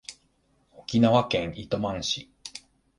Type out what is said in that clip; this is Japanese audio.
沖縄県糸満市